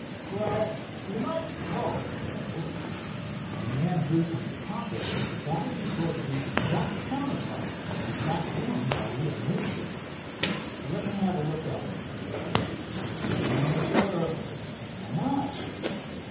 "Well, you might call it so." The man drew from his pocket a badge which was the exact counterpart of that worn by the young aviator. "Let me have a look at it," said Dave. "No, sir." "Why not?"